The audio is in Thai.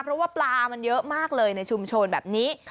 เพราะว่าปลามันเยอะมากเลยในชุมชนแบบนี้